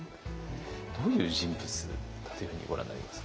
どういう人物だというふうにご覧になりますか？